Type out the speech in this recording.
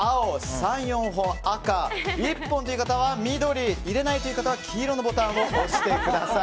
３４本は赤、１本は緑入れないという方は黄色のボタンを押してください。